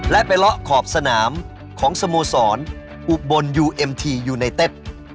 และไปเลาะขอบสนามของสโมสรอุบลยูเอ็มทียูไนเต็ด